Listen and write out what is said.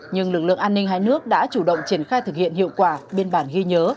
nhưng lực lượng an ninh hai nước đã chủ động triển khai thực hiện hiệu quả biên bản ghi nhớ